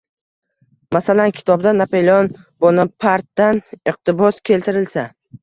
Masalan kitobda Napoleon Bonapartdan iqtibos keltirilsa